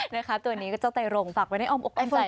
นะครับตัวนี้ก็เจ้าไตรงฝากไว้ในอ้อมอุ๊คคอมใส่